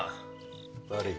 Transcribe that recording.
悪い。